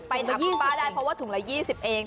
ไปถามคุณป้าได้เพราะว่าถุงละ๒๐เอง